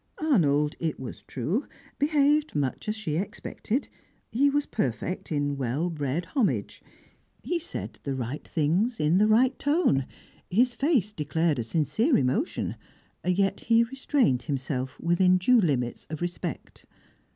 Arnold, it was true, behaved much as she expected; he was perfect in well bred homage; he said the right things in the right tone; his face declared a sincere emotion, yet he restrained himself within due limits of respect.